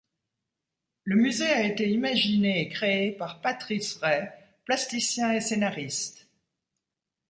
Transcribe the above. Le musée a été imaginé et créé par Patrice Rey, plasticien et scénariste.